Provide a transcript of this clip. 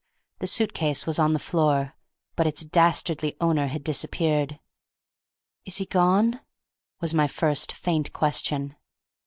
The suit case was on the floor, but its dastardly owner had disappeared. "Is he gone?" was my first faint question.